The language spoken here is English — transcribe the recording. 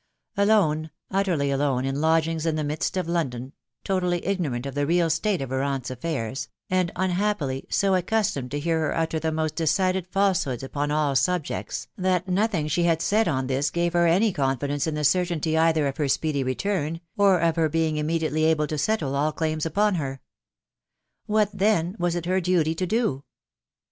Alone, utterly alone in lodgings in the midst of London, totally ignorant of the real state of her aunt's affairs, and, unhappily, so accus tomed to hear her utter the most decided falsehoods upon all subjects, that nothing she had said on this gave her any confi dence in the certainty either of her speedy return, or of her being immediately able to settle all claims upon her. What, then, was it her duty to do